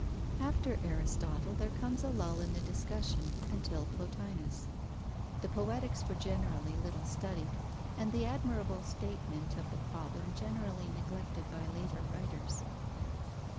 After Aristotle, there comes a lull in the discussion, until Plotinus. The Poetics were generally little studied, and the admirable statement of the problem generally neglected by later writers.